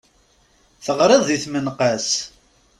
Teɣriḍ di tmenqas.